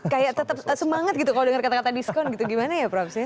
kayak tetap semangat gitu kalau dengar kata kata diskon gitu gimana ya prab